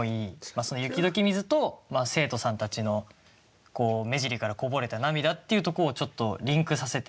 その「雪解け水」と生徒さんたちの目尻からこぼれた涙っていうとこをちょっとリンクさせて。